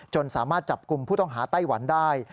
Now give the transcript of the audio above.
สามารถจับกลุ่มผู้ต้องหาไต้หวันได้